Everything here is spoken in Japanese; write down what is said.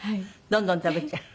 どんどん食べちゃう？